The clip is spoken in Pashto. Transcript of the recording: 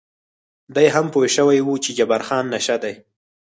دی هم پوه شوی و چې جبار خان نشه دی.